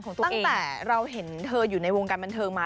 ตั้งแต่เราเห็นเธออยู่ในวงการบันเทิงมา